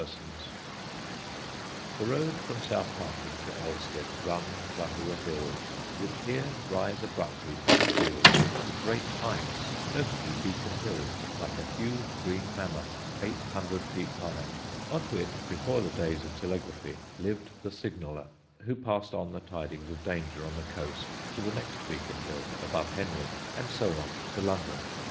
[Sidenote: THE BEACON FIRES] The road from South Harting to Elsted runs under the hills, which here rise abruptly from the fields, to great heights, notably Beacon Hill, like a huge green mammoth, 800 feet high, on which, before the days of telegraphy, lived the signaller, who passed on the tidings of danger on the coast to the next beacon hill, above Henley, and so on to London.